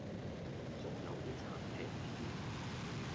仲有啲橙皮添